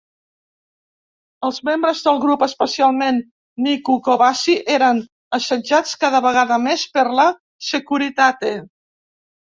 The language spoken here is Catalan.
Els membres del grup, especialment Nicu Covaci, eren assetjats cada vegada més per la Securitate.